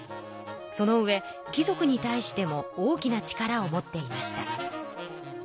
そのうえ貴族に対しても大きな力を持っていました。